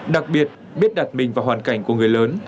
đặc biệt biết đặt mình vào hoàn cảnh của người lớn